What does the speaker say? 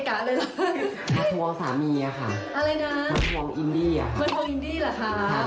เกิดการสุขภัยมาก